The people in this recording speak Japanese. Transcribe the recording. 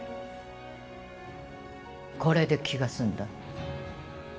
これで気が済んだ？